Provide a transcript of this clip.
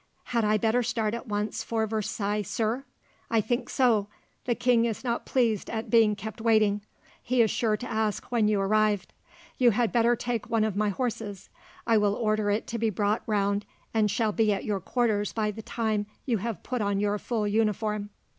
"Had I better start at once for Versailles, sir?" "I think so. The king is not pleased at being kept waiting. He is sure to ask you when you arrived. You had better take one of my horses. I will order it to be brought round, and shall be at your quarters by the time you have put on your full uniform."